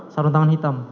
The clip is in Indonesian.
sarung tangan hitam